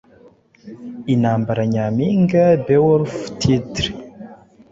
Intambara-nyampinga Beowulf titire